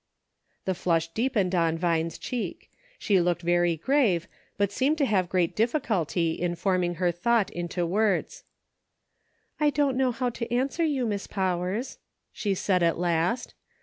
The flush deepened on Vine's cheek ; she looked very grave, but seemed to have great difficulty in forming her thought into words. " I don't know how to answer you, Miss Pow ers," she said at last.